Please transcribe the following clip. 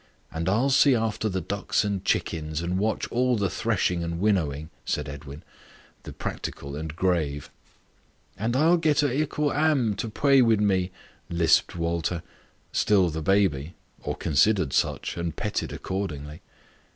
"And I'll see after the ducks and chickens, and watch all the threshing and winnowing," said Edwin, the practical and grave. "And I'll get a 'ittle 'amb to p'ay wid me," lisped Walter still "the baby" or considered such, and petted accordingly.